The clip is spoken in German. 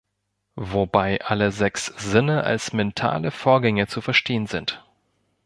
Wobei alle sechs Sinne als mentale Vorgänge zu verstehen sind.